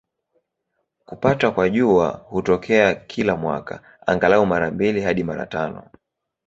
Kupatwa kwa Jua hutokea kila mwaka, angalau mara mbili hadi mara tano.